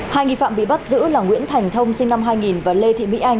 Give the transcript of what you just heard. hai nghi phạm bị bắt giữ là nguyễn thành thông sinh năm hai nghìn và lê thị mỹ anh